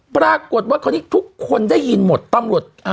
ปรากฏว่าคราวนี้ทุกคนได้ยินหมดตำรวจ